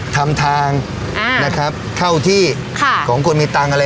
ลองถางเท่าที่ของคนที่มีตังค์